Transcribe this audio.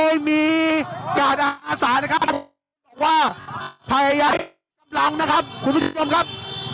โดยมีกาดอาสานะครับบอกว่าพยายามนะครับคุณผู้ชมครับ